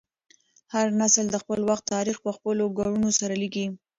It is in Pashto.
هر نسل د خپل وخت تاریخ په خپلو کړنو سره لیکي.